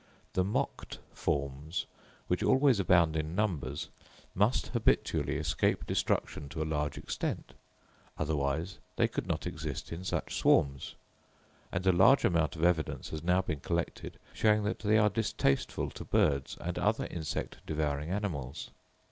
The mocked forms, which always abound in numbers, must habitually escape destruction to a large extent, otherwise they could not exist in such swarms; and a large amount of evidence has now been collected, showing that they are distasteful to birds and other insect devouring animals.